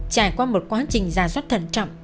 trải qua một quá trình giả soát thần trọng